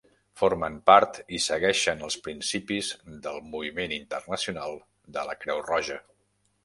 Formen part i segueixen els principis del moviment internacional de la Creu Roja.